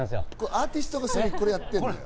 アーティストがこれやってるのよ。